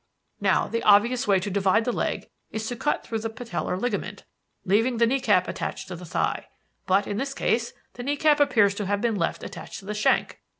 Now the obvious way to divide the leg is to cut through the patellar ligament, leaving the knee cap attached to the thigh. But in this case, the knee cap appears to have been left attached to the shank.